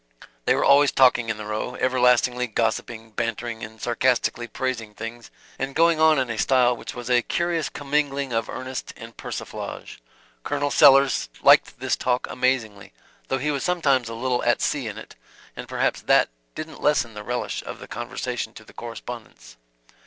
They were always talking in the Row, everlastingly gossiping, bantering and sarcastically praising things, and going on in a style which was a curious commingling of earnest and persiflage. Col. Sellers liked this talk amazingly, though he was sometimes a little at sea in it and perhaps that didn't lessen the relish of the conversation to the correspondents.